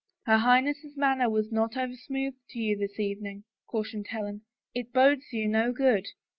" Her Highnesses manner was not over smooth to you this evening," cautioned Helen. " It bodes you no good."